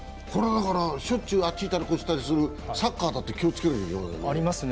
しょっちゅう、あっち行ったりこっち行ったりするサッカーも気をつけなきゃいけませんね。